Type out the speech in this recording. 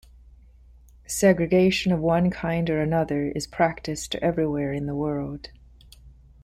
Segregation of one kind or another is practised everywhere in the world.